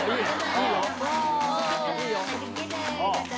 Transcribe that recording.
いいよ！